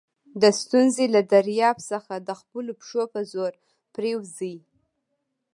د ستونزي له دریاب څخه د خپلو پښو په زور پورېوځئ!